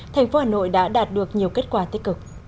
thành phố hà nội đã đạt được nhiều kết quả tích cực